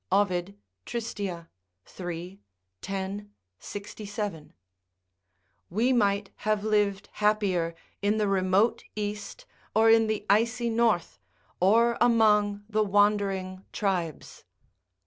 Ovid, Trist., iii. 10, 67.] ["We might have lived happier in the remote East or in the icy North, or among the wandering tribes."